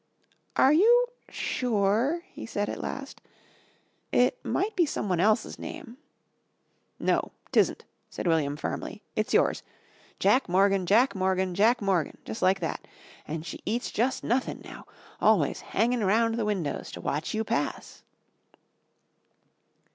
"Are you sure?" he said at last. "It might be someone else's name." "No, 'tisn't," said William firmly. "It's yours. 'Jack Morgan, Jack Morgan, Jack Morgan' jus' like that. An' she eats just nothin' now. Always hangin' round the windows to watch you pass."